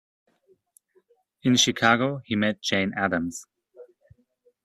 In Chicago he met Jane Addams.